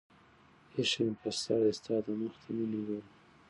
اىښى مې پر سر دى ستا د مخ د مينې گل